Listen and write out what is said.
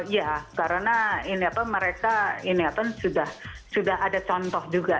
ya karena ini apa mereka ini apa sudah ada contoh juga